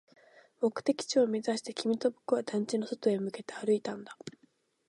目的地を目指して、君と僕は団地の外へ向けて歩いたんだ